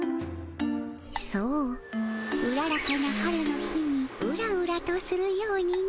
そううららかな春の日にうらうらとするようにの。